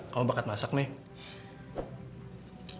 kamu bakat masak nih